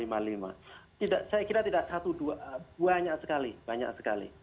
saya kira tidak satu dua banyak sekali banyak sekali